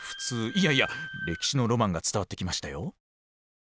いやいや歴史のロマンが伝わってきましたよ。